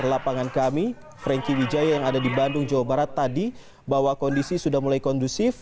lapangan kami franky wijaya yang ada di bandung jawa barat tadi bahwa kondisi sudah mulai kondusif